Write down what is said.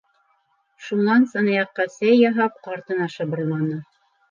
Шунан, сынаяҡҡа сәй яһап, ҡартына шыбырланы: